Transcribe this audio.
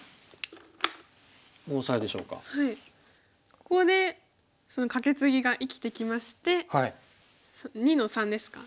ここでそのカケツギが生きてきまして２の三ですか？